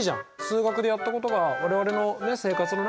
数学でやったことが我々のね生活の中にも。